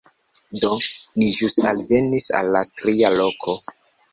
Do, ni ĵus alvenis al la tria loko